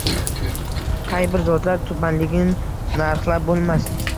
Qay bir zotlar tubanligin narxlab boʼlmas.